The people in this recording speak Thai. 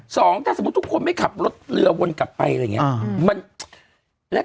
สองถ้าสมมุติทุกคนไม่ขับรถเรือวนกลับไปอะไรอย่างนี้